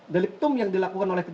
deliktum yang dilakukan oleh